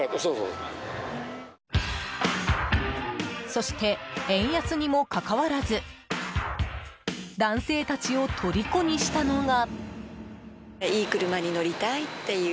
そして円安にもかかわらず男性たちをとりこにしたのが。